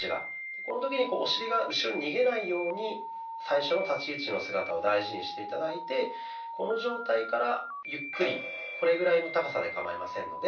この時にお尻が後ろに逃げないように最初の立ち位置の姿を大事にして頂いてこの状態からゆっくりこれぐらいの高さでかまいませんので。